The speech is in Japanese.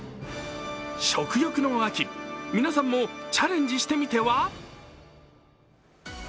食欲の秋、皆さんもチャレンジしてみては？